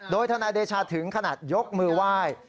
โดยทนายเดชาถึงขนาดยกมือไหว้